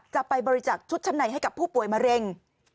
จะไปบริจาคชุดชั้นในให้กับผู้ป่วยมะเร็ง